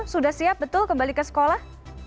sudah siap betul kembali ke sekolah